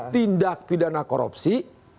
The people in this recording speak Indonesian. tindak pidana korupsi